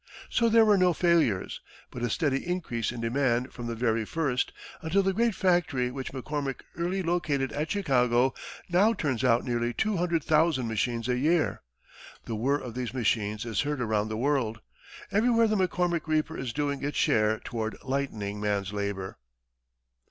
So there were no failures, but a steady increase in demand from the very first, until the great factory, which McCormick early located at Chicago, now turns out nearly two hundred thousand machines a year. The whir of these machines is heard around the world everywhere the McCormick reaper is doing its share toward lightening man's labor.